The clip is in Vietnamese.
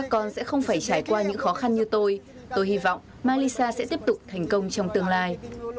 tôi sẽ không phải trải qua những khó khăn như tôi tôi hy vọng malisa sẽ tiếp tục thành công trong tương lai